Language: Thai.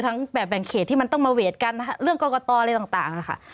แบบแบ่งเขตที่มันต้องมาเวทกันเรื่องกรกตอะไรต่างนะคะ